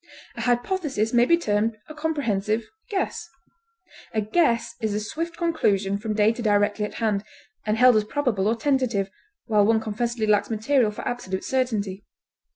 A hypothesis may be termed a comprehensive guess. A guess is a swift conclusion from data directly at hand, and held as probable or tentative, while one confessedly lacks material for absolute certainty.